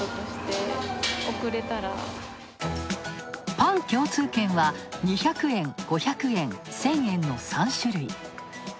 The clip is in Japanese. パン共通券は２００円、５００円、１０００円の３種類。